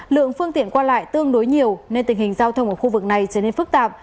lượng phương tiện qua lại tương đối nhiều nên tình hình giao thông ở khu vực này trở nên phức tạp